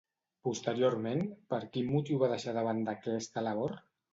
Posteriorment, per quin motiu va deixar de banda aquesta labor?